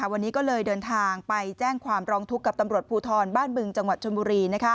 วันนี้ก็เลยเดินทางไปแจ้งความร้องทุกข์กับตำรวจภูทรบ้านบึงจังหวัดชนบุรี